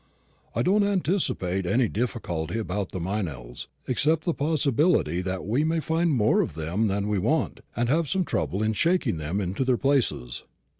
I don't anticipate any difficulty about the Meynells, except the possibility that we may find more of them than we want, and have some trouble in shaking them into their places."